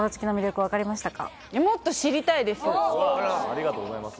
ありがとうございます